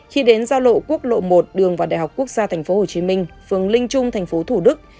khi đến giao lộ quốc lộ một đường vào đại học quốc gia tp hcm phường linh trung thành phố thủ đức